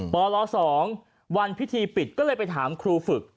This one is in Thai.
ปล๒วันพิธีปิดก็เลยไปถามครูฝึก